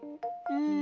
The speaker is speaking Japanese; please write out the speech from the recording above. うん？